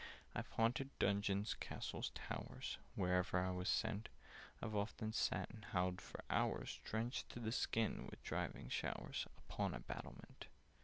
"I've haunted dungeons, castles, towers— Wherever I was sent: I've often sat and howled for hours, Drenched to the skin with driving showers, Upon a battlement.